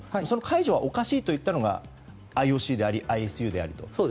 その解除はおかしいといったのがＩＯＣでありＩＳＵであると。